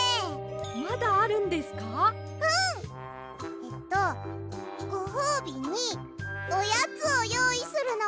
えっとごほうびにおやつをよういするのは？